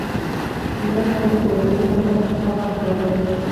مړه ته د کورنۍ خدمت ثواب غواړو